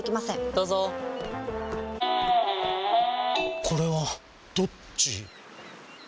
どうぞこれはどっち？